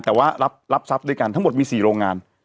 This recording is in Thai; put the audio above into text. แต่ว่ารับทรัพย์ด้วยกันทั้งหมดมี๔โรงงาน